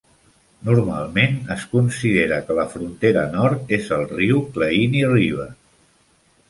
Normalment es considera que la frontera nord és el riu Klehini River.